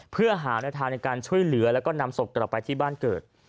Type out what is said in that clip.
เพื่อหาในทางในการช่วยเหลือแล้วก็นำศพกลับไปที่บ้านเกิด